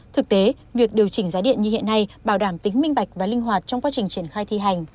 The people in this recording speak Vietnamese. thực tế việc điều chỉnh giá điện như hiện nay bảo đảm tính minh bạch và linh hoạt trong quá trình triển khai thi hành